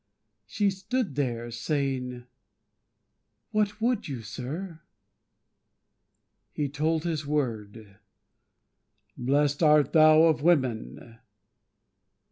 She stood there, Saying, "What would you, Sir?" He told his word, "Blessed art thou of women!"